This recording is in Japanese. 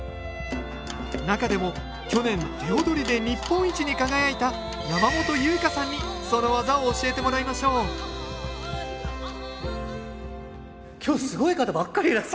中でも去年手踊りで日本一に輝いた山本祐華さんにその技を教えてもらいましょう今日すごい方ばっかりいらっしゃいますね